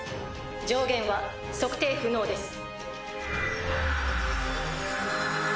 上限は測定不能です。